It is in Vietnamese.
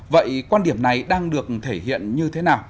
vậy quan điểm này đang được thể hiện như thế nào